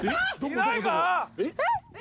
いないか？